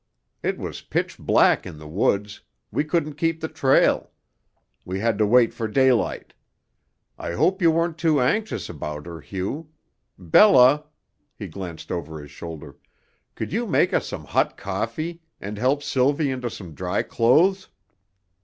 It was pitch black in the woods; we couldn't keep the trail. We had to wait for daylight. I hope you weren't too anxious about her, Hugh. Bella" he glanced over his shoulder "could you make us some hot coffee and help Sylvie into some dry clothes?